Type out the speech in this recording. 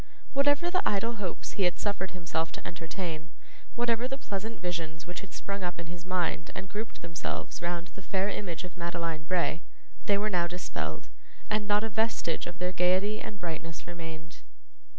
Whatever the idle hopes he had suffered himself to entertain, whatever the pleasant visions which had sprung up in his mind and grouped themselves round the fair image of Madeline Bray, they were now dispelled, and not a vestige of their gaiety and brightness remained.